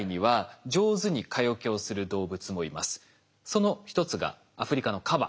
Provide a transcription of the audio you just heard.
その一つがアフリカのカバ。